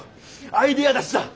アイデア出しだ。